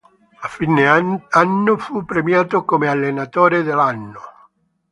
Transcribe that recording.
A fine anno fu premiato come allenatore dell'anno.